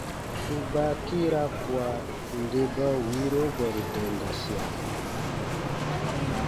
U baa kiira kua nde ba wiiro bwɛ̃ru dendasia.